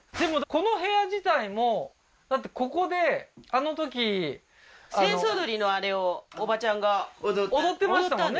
この部屋自体もだってここであの時扇子踊りのあれをおばちゃんが踊って踊ってましたもんね